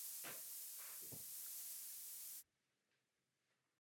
Ruským barvám zůstal věrný i v dalším olympijském cyklu.